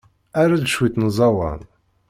Err-d cwiṭ n uẓawan.